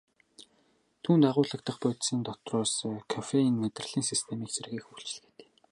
Түүнд агуулагдах бодисын дотроос кофеин мэдрэлийн системийг сэргээх үйлчилгээтэй.